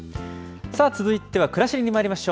続いてはくらしりにまいりましょう。